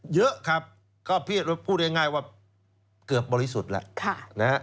เยอะครับก็พูดง่ายว่าเกือบบริสุทธิ์แล้ว